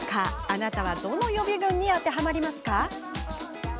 あなたはどの予備軍に当てはまりますか？